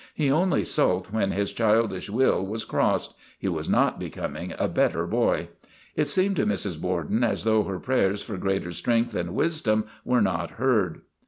He only sulked when his childish will was crossed; he was not becoming a better boy. It seemed to Mrs. Borden as though her prayers for greater strength and wisdom were not heard.